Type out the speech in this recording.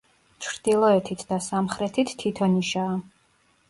ჩრდილოეთით და სამხრეთით თითო ნიშაა.